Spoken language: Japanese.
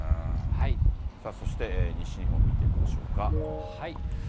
さあそして、西日本見てみましょうか。